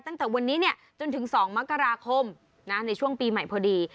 ตั้งแต่วันนี้จนถึง๒มกราคมในช่วงปีใหม่พอดี